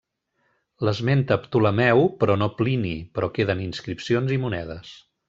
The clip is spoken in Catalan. L'esmenta Ptolemeu però no Plini, però queden inscripcions i monedes.